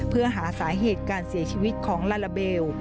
เพื่อหาสาเหตุการเสียชีวิตของลาลาเบล